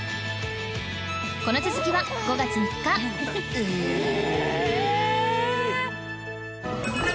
この続きは５月３日ええーっ！